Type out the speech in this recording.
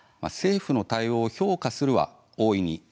政府の対応を「評価する」は「大いに」